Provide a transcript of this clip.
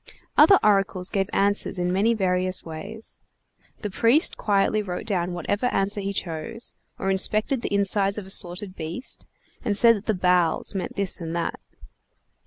Other oracles gave answers in many various ways. The priest quietly wrote down whatever answer he chose; or inspected the insides of a slaughtered beast, and said that the bowels meant this and that.